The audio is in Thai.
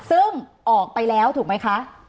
ซึ่งออกไปแล้วถูกไหมคะ